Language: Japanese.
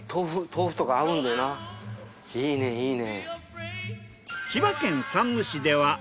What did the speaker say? いいねいいね。